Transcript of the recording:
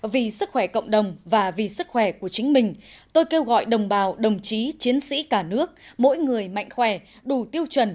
vì sức khỏe cộng đồng và vì sức khỏe của chính mình tôi kêu gọi đồng bào đồng chí chiến sĩ cả nước mỗi người mạnh khỏe đủ tiêu chuẩn